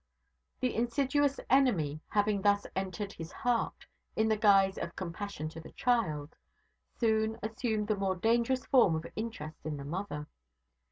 The insidious enemy having thus entered his heart, in the guise of compassion to the child, soon assumed the more dangerous form of interest in the mother.